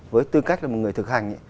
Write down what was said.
với tư cách là một người thực hành